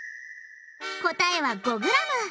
答えは５ｇ。